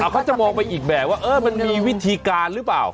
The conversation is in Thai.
เขาจะมองไปอีกแบบว่ามันมีวิธีการหรือเปล่า